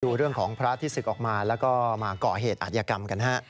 ดูเรื่องของพระที่ศึกออกมาแล้วก็มาเกาะเหตุอาธิกรรมกันฮะ